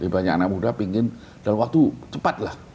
banyak anak muda pingin dalam waktu cepat lah